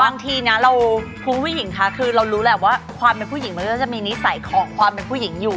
บางทีนะเราคุณผู้หญิงคะคือเรารู้แหละว่าความเป็นผู้หญิงมันก็จะมีนิสัยของความเป็นผู้หญิงอยู่